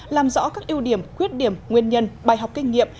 làm rõ các ưu điểm khuyết điểm nguyên nhân bài học kinh nghiệm